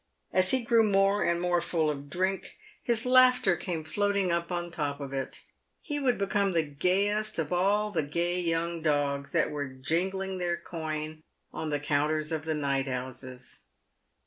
As he grew more and more full of drink his laughter came floating up on the top of it. He would become the gayest of all the gay young dogs that were jingling their coin on the counters of the night houses.